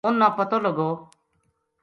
اُنھ نا پتو لگو